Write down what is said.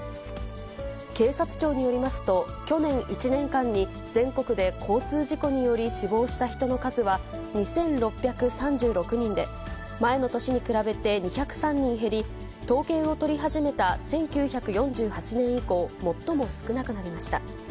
警察庁によりますと、去年１年間に全国で交通事故により死亡した人の数は２６３６人で、前の年に比べて２０３人減り、統計を取り始めた１９４８年以降、最も少なくなりました。